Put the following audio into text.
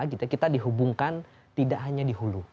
kita dihubungkan tidak hanya di hulu